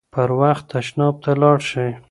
پر وخت تشناب ته لاړ شئ.